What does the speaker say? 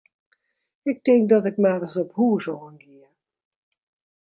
Ik tink dat ik mar ris op hús oan gean.